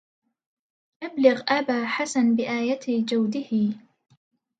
أبلغ أبا حسن بآية جوده